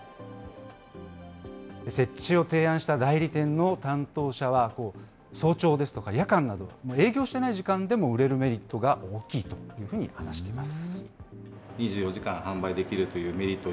設置を提案した代理店の担当者は、早朝ですとか夜間など、営業してない時間でも売れるメリットが大きいというふうに話しています。